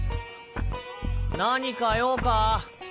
何か用か？